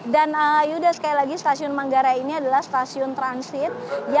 dan yudah sekali lagi stasiun manggarai ini adalah stasiun transit